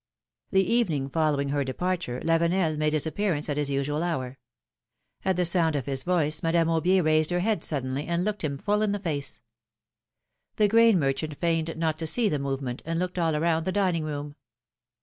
The evening following her departure Lavenel made his appearance at his usual hour ; at the sound of his voice Madame Aubier raised her head suddenly and looked him full in the face. The grain merchant feigned not to see the movement, and looked all around the dining room.